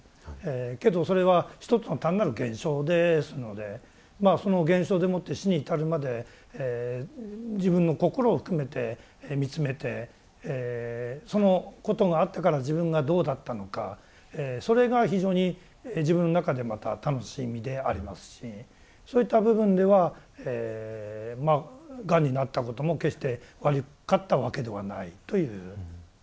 けどそれは一つの単なる現象ですのでその現象でもって死に至るまで自分の心を含めて見つめてそのことがあったから自分がどうだったのかそれが非常に自分の中でまた楽しみでありますしそういった部分ではがんになったことも決して悪かったわけではないという。